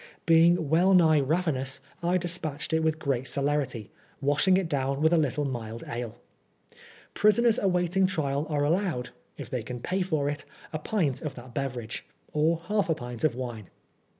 Being well nigh ravenous, I dispatched it with great celerity, washing it down with a little mild ale. Prisoners awaiting trial are allowed (if they can pay for it) a pint of that beverage, or half a pint of wine.